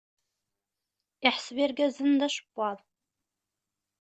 Iḥseb irgazen d acebbaḍ.